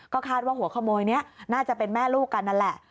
คาดว่าหัวขโมยนี้น่าจะเป็นแม่ลูกกันนั่นแหละ